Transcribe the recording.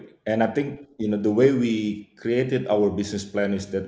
dan saya pikir cara kami membuat rencana bisnis kami adalah